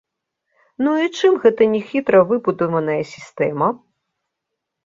Ну і чым гэта не хітра выбудаваная сістэма?